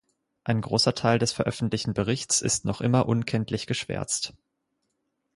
Ein großer Teil des veröffentlichten Berichts ist noch immer unkenntlich geschwärzt.